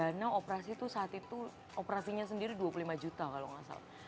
dana operasi itu saat itu operasinya sendiri dua puluh lima juta kalau nggak salah